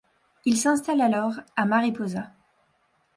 Il s’installe alors à Mariposa.